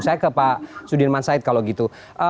saya ke pak sudirman said kalau gitu